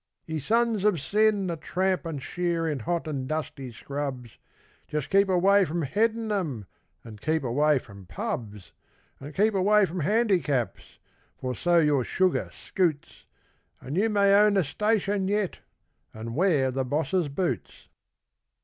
_Ye sons of sin that tramp and shear in hot and dusty scrubs, Just keep away from 'headin' 'em,' and keep away from pubs, And keep away from handicaps for so your sugar scoots And you may own a station yet and wear the Boss's boots.